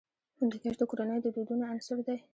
هندوکش د کورنیو د دودونو عنصر دی.